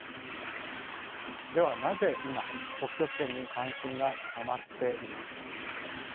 ではなぜ今北極圏に関心が高まっているのでしょうか。